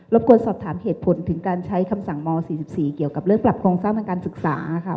บกวนสอบถามเหตุผลถึงการใช้คำสั่งม๔๔เกี่ยวกับเรื่องปรับโครงสร้างทางการศึกษาค่ะ